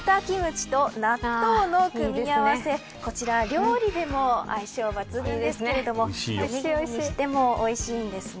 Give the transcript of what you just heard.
こちらは料理でも相性抜群ですけどおにぎりにしてもおいしいんですね。